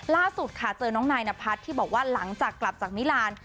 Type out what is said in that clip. ล่าสุดค่ะเจอน้องนายนพัฒน์ที่บอกว่าหลังจากกลับจากมิลาน